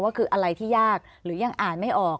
ก็คืออะไรที่ยากหรือยังอ่านไม่ออก